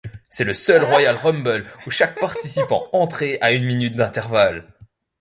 C'est le seul Royal Rumble où chaque participant entrait à une minute d'intervalle.